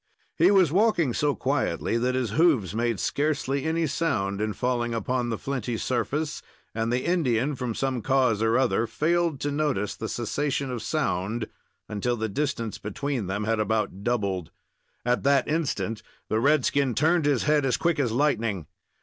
He was walking so quietly that his hoofs made scarcely any sound in falling upon the flinty surface, and the Indian, from some cause or other, failed to notice the cessation of sound until the distance between them had about doubled. At that instant, the redskin turned his head as quick as lightning.